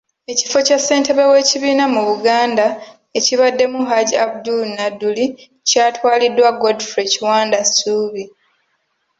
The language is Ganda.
Ekifo kya Ssentebbe w’ekibiina mu Buganda ekibaddemu Hajji Abdul Nadduli, kyatwaliddwa Godfrey Kiwanda Ssuubi.